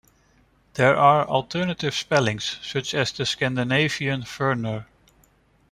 There are alternate spellings, such as the Scandinavian "Verner".